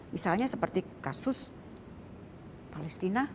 misalnya seperti kasus palestina